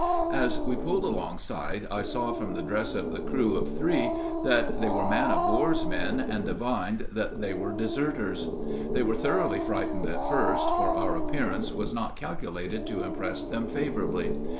As we pulled alongside I saw from the dress of the crew of three that they were man of war's men, and divined that they were deserters. They were thoroughly frightened at first, for our appearance was not calculated to impress them favorably.